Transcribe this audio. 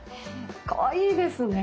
かわいいですね。